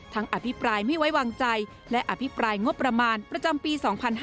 อภิปรายไม่ไว้วางใจและอภิปรายงบประมาณประจำปี๒๕๕๙